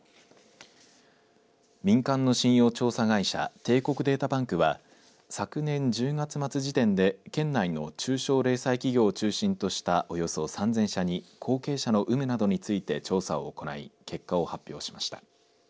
民間の信用調査会社、帝国データバンクは昨年１０月末時点で県内の中小零細企業を中心としたおよそ３０００社に後継者の有無などについて調査を行い結果を発表しました。